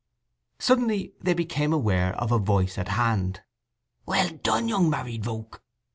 Suddenly they became aware of a voice at hand. "Well done, young married volk!